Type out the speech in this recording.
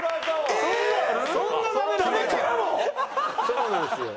そうなんですよ。